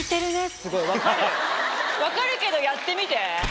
すごい分かる分かるけどやってみて。